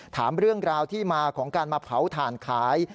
ถามเรื่องราวที่มาของการมาเผาถ่านขาย